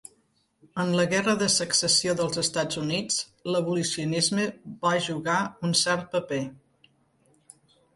En la Guerra de Secessió dels Estats Units l'abolicionisme va jugar un cert paper.